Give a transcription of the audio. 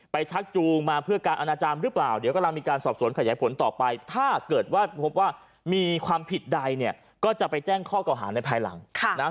ชักจูงมาเพื่อการอนาจารย์หรือเปล่าเดี๋ยวกำลังมีการสอบสวนขยายผลต่อไปถ้าเกิดว่าพบว่ามีความผิดใดเนี่ยก็จะไปแจ้งข้อเก่าหาในภายหลังนะฮะ